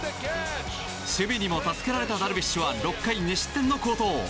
守備にも助けられたダルビッシュは６回２失点の好投。